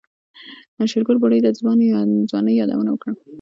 شېرګل بوډۍ ته د ځوانۍ يادونه وکړه.